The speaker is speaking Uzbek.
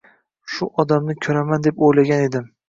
Shu odamni koʻraman deb oʻylagan edim.